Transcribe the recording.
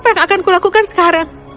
apa yang akan kulakukan sekarang